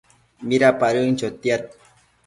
Midapadën chotiad